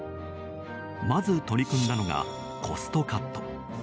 まず取り組んだのがコストカット。